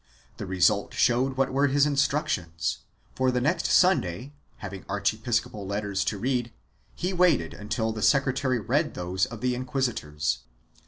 The result showed what were his instructions, for the next Sunday, having archi episcopal letters to read, he waited until the secretary read those of the inquisitors.